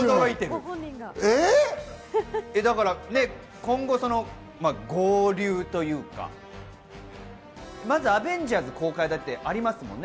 今後、合流というか、まず『アベンジャーズ』公開だってありますもんね？